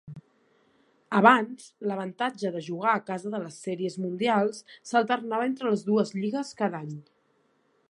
Abans, l'avantatge de jugar a casa de les Sèries Mundials s'alternava entre les dues lligues cada any.